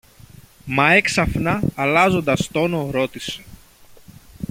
Μα έξαφνα αλλάζοντας τόνο ρώτησε